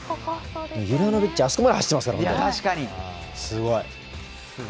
ユラノビッチあそこまで走ってますからすごい。